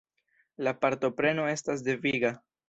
La partopreno estas deviga.